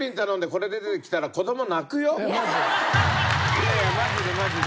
いやいやマジでマジで。